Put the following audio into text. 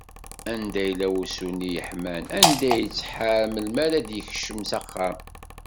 Anda yella wusu-nni yeḥman, anda yettḥar melmi ara d-yekcem s axxam?